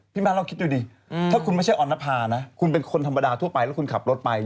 บ้านลองคิดดูดิถ้าคุณไม่ใช่ออนภานะคุณเป็นคนธรรมดาทั่วไปแล้วคุณขับรถไป